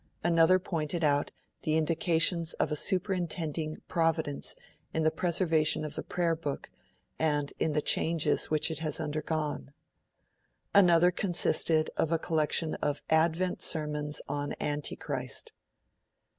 Another pointed out the 'Indications of a superintending Providence in the preservation of the Prayer book and in the changes which it has undergone'. Another consisted of a collection of 'Advent Sermons on Antichrist'.